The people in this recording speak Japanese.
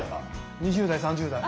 ２０代３０代。